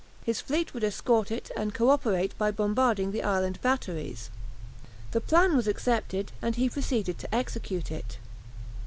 His fleet would escort it, and co operate by bombarding the island batteries. The plan was accepted, and he proceeded to execute it.